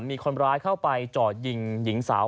มีคนร้ายเข้าไปจอดยิงหญิงสาว